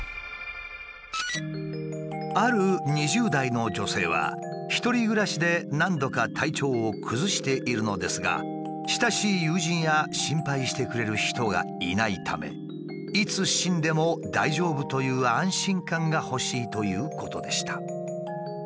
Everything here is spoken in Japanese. ある２０代の女性は一人暮らしで何度か体調を崩しているのですが親しい友人や心配してくれる人がいないためいつ死んでも大丈夫という安心感が欲しいということでした。